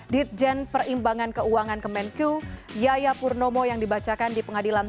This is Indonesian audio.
ditjen perimbangan keuangan kemenkyu yaya purnomo yang dibacakan di pengadilan